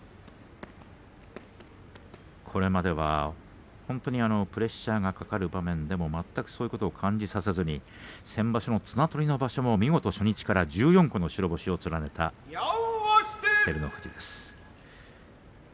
これまでは本当にプレッシャーがかかる場面でも全くそういうことを感じさせずに先場所も、綱取りの場所も見事初日から１４個の白星を連ねた照ノ富士です。